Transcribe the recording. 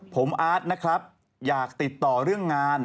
ผมอาร์ตนะครับอยากติดต่อเรื่องงาน